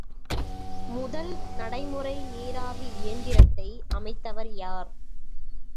முதல் நடைமுறை நீராவி இயந்திரத்தை அமைத்தவர் யார்?